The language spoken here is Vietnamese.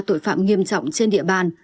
tội phạm nghiêm trọng trên địa bàn